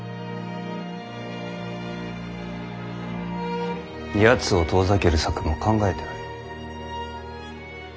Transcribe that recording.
やつを遠ざける策も考えてある。